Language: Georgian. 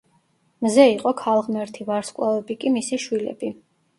მზე იყო ქალღმერთი ვარსკვლავები კი მისი შვილები.